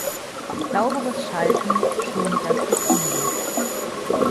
Sauberes Schalten schont das Getriebe.